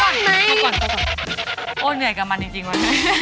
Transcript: เดี๋ยวพอโอ้เหนื่อยกับมันจริงว่ะ